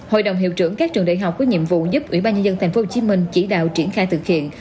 hội đồng hiệu trưởng các trường đại học có nhiệm vụ giúp ủy ban nhân dân tp hcm chỉ đạo triển khai thực hiện